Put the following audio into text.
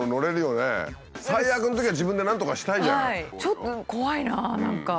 ちょっと怖いな何か。